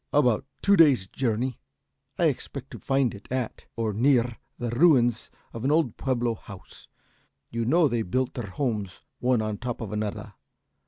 "About two days' journey. I expect to find it at or near the ruins of an old Pueblo house. You know they built their homes one on top of another.